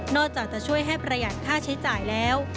อกจากจะช่วยให้ประหยัดค่าใช้จ่ายแล้ว